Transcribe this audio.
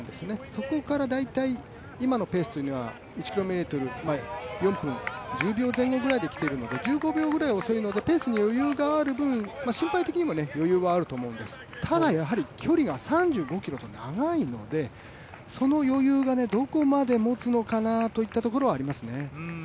そこから大体今のペースというのは１ｋｍ４分１０秒前後ぐらいできているので、１５秒ぐらい遅いのでペースに余裕がある分心肺的にも、余裕があると思うんです、ただ距離が３５ｋｍと長いので、その余裕がどこまで持つのかなといったところはありますね。